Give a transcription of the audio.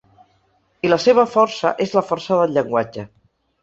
I la seva força és la força del llenguatge.